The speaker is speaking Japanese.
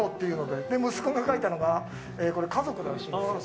で、息子が描いたのが、これ、家族らしいんですよ。